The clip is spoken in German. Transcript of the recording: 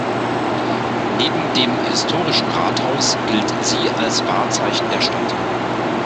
Neben dem Historischen Rathaus gilt sie als Wahrzeichen der Stadt.